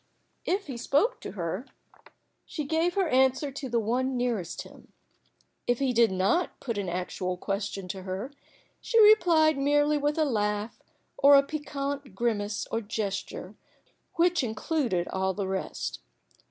If he spoke to her, she gave her answer to the one nearest to him. If he did not put an actual question to her, she replied merely with a laugh or a piquant grimace or gesture, which included all the rest.